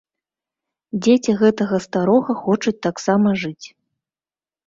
Дзеці гэтага старога хочуць таксама жыць.